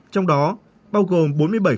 trong đó bao gồm bốn mươi bảy hectare